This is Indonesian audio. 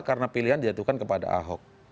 karena pilihan diatukan kepada ahok